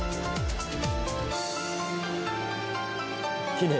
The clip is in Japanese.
きれい。